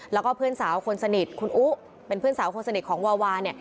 แล้วก็เพื่อนสาวคนสนิทคุณอุ๊เป็นเพื่อนสาวคนสนิทของวาวาเนี่ย